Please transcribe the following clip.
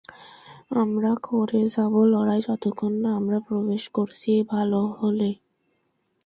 আমরা করে যাবো লড়াই যতক্ষণ না আমরা প্রবেশ করছি ভালহোলে।